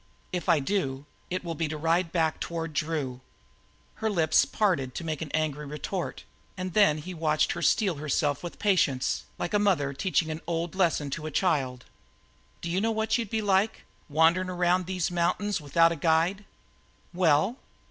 "If I do, it will be to ride back toward Drew." Her lips parted to make an angry retort, and then he watched her steel herself with patience, like a mother teaching an old lesson to a child. "D'you know what you'd be like, wanderin' around these mountains without a guide?" "Well?"